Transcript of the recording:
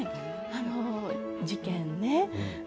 「事件」ね。